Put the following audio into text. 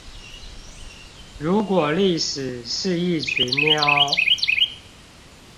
如果歷史是一群喵